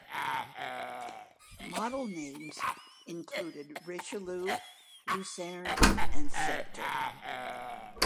Model names included Richelieu, Lucerne and Sceptre.